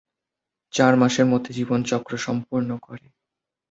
চার মাসের মধ্যে জীবনচক্র সম্পূর্ণ করে।